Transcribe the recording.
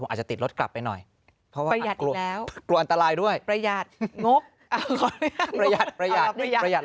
ผมอาจจะติดรถกลับไปหน่อยเพราะว่ากลัวอันตรายด้วยประหยาดอีกแล้วประหยาดประหยาด